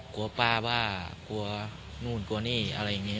กลัวป้าบ้ากลัวนู่นกลัวนี่อะไรอย่างนี้